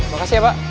makasih ya pak